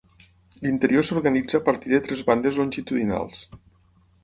L'interior s'organitza a partir de tres bandes longitudinals.